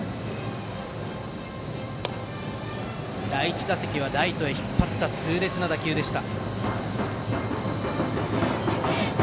第１打席はライトへ引っ張った痛烈な打球でした。